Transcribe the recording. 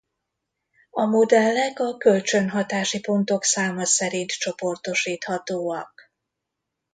A modellek a kölcsönhatási pontok száma szerint csoportosíthatóak.